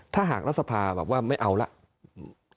ถ้าหากนศนรรพ์ไม่เอาแล้ว